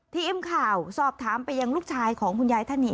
ทีมข่าวสอบถามไปยังลูกชายของคุณยายท่านนี้